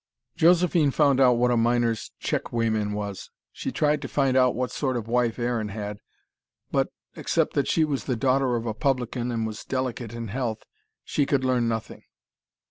Josephine found out what a miner's checkweighman was. She tried to find out what sort of wife Aaron had but, except that she was the daughter of a publican and was delicate in health, she could learn nothing.